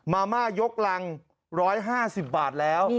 มาม่ายกรัง๑๕๐บาทแล้ว